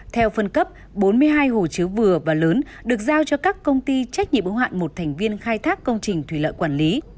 theo phân cấp bốn mươi hai hồ chứa vừa và lớn được giao cho các công ty trách nhiệm ứng hoạn một thành viên khai thác công trình thủy lợi quản lý